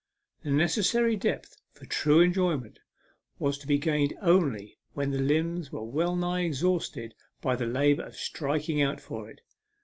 The necessary depth for true enjoyment was to be gained only when the limbs were well nigh exhausted by the labour of striking out for it.